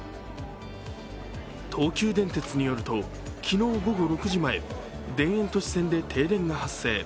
東急電鉄によると昨日午後６時前、田園都市線で停電が発生。